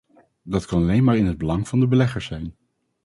Dat kan alleen maar in het belang van de beleggers zijn.